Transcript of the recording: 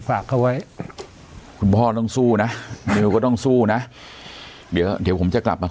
ฝากเขาไว้คุณพ่อต้องสู้นะนิวก็ต้องสู้นะเดี๋ยวเดี๋ยวผมจะกลับมา